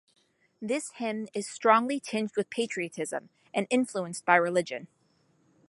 This hymn is strongly tinged with patriotism and influenced by religion.